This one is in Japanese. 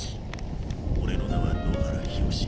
オレの名は野原ひろし。